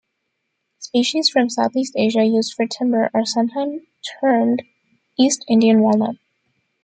Species from southeast Asia used for timber are sometime termed East Indian walnut.